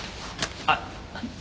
あっ！